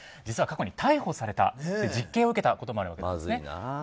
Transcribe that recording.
実は過去に逮捕された実刑を受けたこともあるんですね。